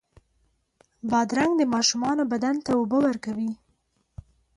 بادرنګ د ماشومانو بدن ته اوبه ورکوي.